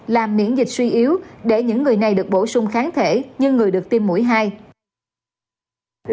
làm miễn dịch suy yếu để những người này được bổ sung kháng thể như người được tiêm mũi hai